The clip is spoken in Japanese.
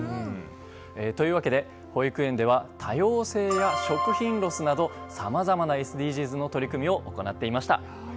というわけで保育園では多様性や食品ロスなどさまざまなＳＤＧｓの取り組みを行っていました。